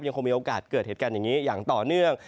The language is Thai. คงมีโอกาสเกิดเหตุการณ์อย่างนี้อย่างต่อเนื่อง